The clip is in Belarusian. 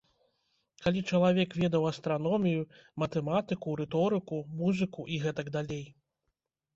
Калі чалавек ведаў астраномію, матэматыку, рыторыку, музыку і гэтак далей.